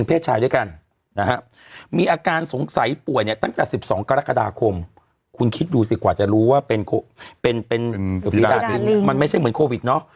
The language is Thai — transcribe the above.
เป็นฟรีดาตริงไม่ใช่เหมือนโควิดนะ